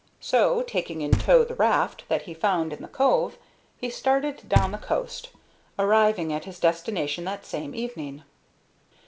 So, taking in tow the raft that he found in the cove, he started down the coast, arriving at his destination that same evening.